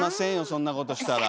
そんなことしたら。